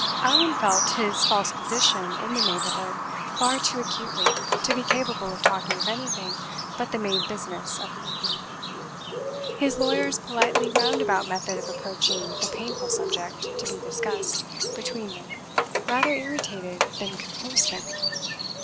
Allan felt his false position in the neighborhood far too acutely to be capable of talking of anything but the main business of the evening. His lawyer's politely roundabout method of approaching the painful subject to be discussed between them rather irritated than composed him.